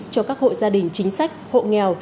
cho các hội gia đình chính sách hộ nghèo